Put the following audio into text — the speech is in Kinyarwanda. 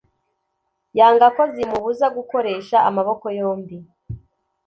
yanga ko zimubuza gukoresha amaboko yombi.